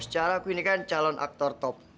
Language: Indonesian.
secara aku ini kan calon aktor top